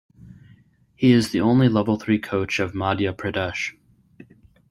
He is the only level three coach of Madhya Pradesh.